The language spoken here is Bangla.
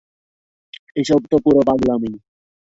এসব তো পুরো পাগলামি।